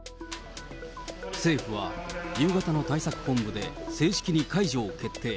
政府は夕方の対策本部で正式に解除を決定。